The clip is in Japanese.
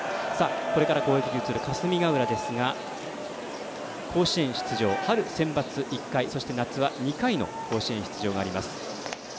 これから攻撃に移る霞ヶ浦ですが甲子園出場、春センバツ１回そして、夏は２回の甲子園出場があります。